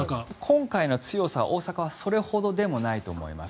今回の強さ、大阪はそれほどでもないと思います。